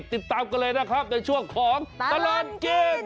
ติดตามกันเลยนะครับในช่วงของตลอดกิน